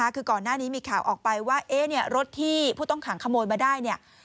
คือก่อนหน้านี้มีข่าวออกไปว่ารถที่ผู้ต้องขังขโมยมาได้เนี่ย